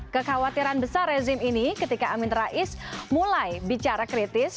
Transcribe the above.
kekhawatiran besar rezim ini ketika amin rais mulai bicara kritis